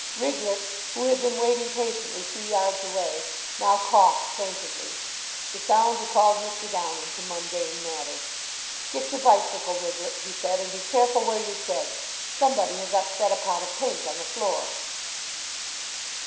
Riglett, who had been waiting patiently two yards away, now coughed plaintively. The sound recalled Mr. Downing to mundane matters. "Get your bicycle, Riglett," he said, "and be careful where you tread. Somebody has upset a pot of paint on the floor."